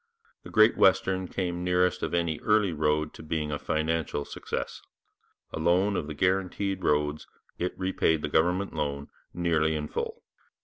The Great Western came nearest of any early road to being a financial success; alone of the guaranteed roads it repaid the government loan, nearly in full.